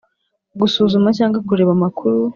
gusuzuma cyangwa kureba amakuru